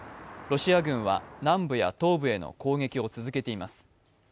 ロシア軍は南部や東部への攻撃を続けています。